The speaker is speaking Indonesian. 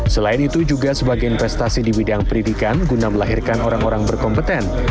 selain itu juga sebagai investasi di bidang pendidikan guna melahirkan orang orang berkompeten